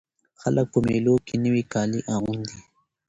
خلک په مېلو کښي نوي کالي اغوندي.